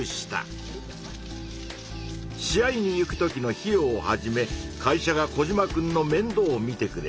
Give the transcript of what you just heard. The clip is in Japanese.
試合に行くときの費用をはじめ会社がコジマくんのめんどうをみてくれる。